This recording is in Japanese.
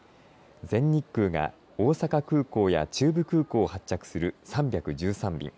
全日空が大阪空港や中部空港を発着する３１３便。